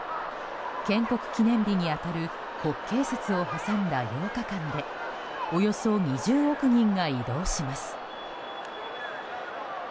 建国記念日に当たる国慶節を挟んだ８日間でおよそ２０億人が移動します。